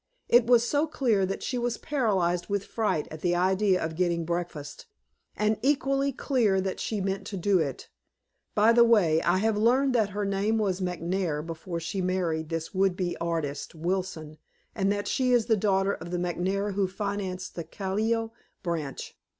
It was so clear that she was paralyzed with fright at the idea of getting breakfast, and equally clear that she meant to do it. By the way, I have learned that her name was McNair before she married this would be artist, Wilson, and that she is a daughter of the McNair who financed the Callao branch!